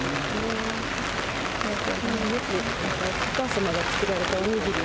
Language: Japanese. よくお母様が作られたお握りを。